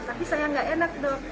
tapi saya gak enak dok